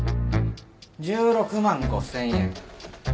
１６万５０００円。